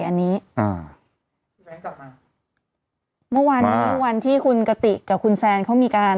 อันนี้อ่าพี่แก๊งกลับมาเมื่อวานนี้วันที่คุณกติกกับคุณแซนเขามีการ